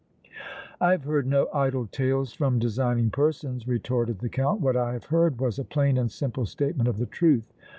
"I have heard no idle tales from designing persons," retorted the Count. "What I have heard was a plain and simple statement of the truth.